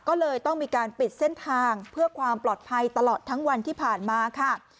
ก็เลยต้องมีการปิดเส้นทางเพื่อความปลอดภัยตลอดทั้งวันที่ผ่านมาค่ะ